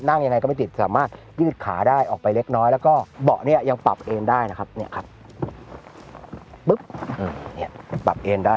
นั่งยังไงก็ไม่ติดสามารถยืดขาได้ออกไปเล็กน้อยแล้วก็เบาะเนี่ยยังปรับเอ็นได้นะครับ